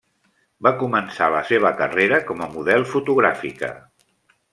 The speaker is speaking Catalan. Va començar la seva carrera com a model fotogràfica.